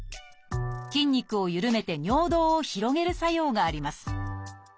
筋肉をゆるめて尿道を広げる作用があります。